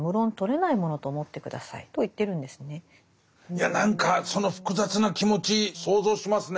いや何かその複雑な気持ち想像しますね。